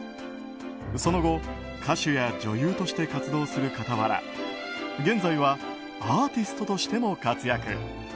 その後、歌手や女優として活動する傍ら現在はアーティストとしても活躍。